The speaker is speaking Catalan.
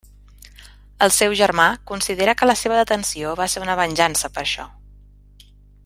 El seu germà considera que la seva detenció va ser una venjança per això.